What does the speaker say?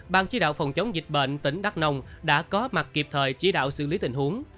ban chỉ đạo phòng chống dịch bệnh tỉnh đắk nông đã có mặt kịp thời chỉ đạo xử lý tình huống